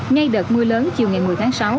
ngay đợt mưa lớn chiều ngày một mươi tháng sáu